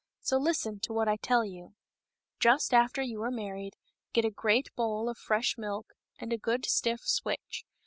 So listen to what I tell you. Just after you 304 KING STORK. are married, get a great bowl of fresh milk and a good, stiff switch.